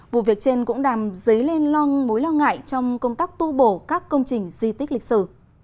vụ việc trên cũng đàm dấy lên long mối lo ngại trong công tác tu bổ các công trình di tích lịch sử